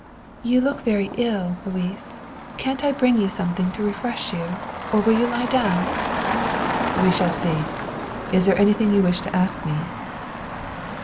"You look very ill, Louis; can't I bring you something to refresh you, or will you lie down?" "We shall see; is there anything you wish to ask me?